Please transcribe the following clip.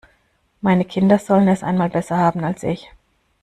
Meine Kinder sollen es einmal besser haben als ich.